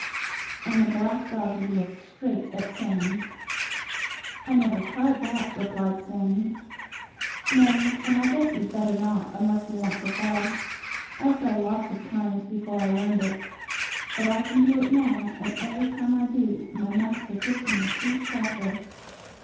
and the black doggie looked straight at Sammie. "I never tried that," replied Sammie. "No; and I guess you'd better not, unless you want to fall. I fell lots of times before I learned it. But I can do it now, and every time I do my master gives me a sweet cracker."